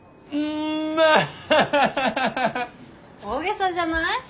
大げさじゃない？